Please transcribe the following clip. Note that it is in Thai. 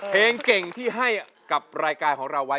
เพลงเก่งที่ให้กับรายการของเราไว้